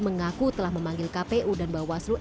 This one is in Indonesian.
mengaku telah memanggil kpu dan bawaslu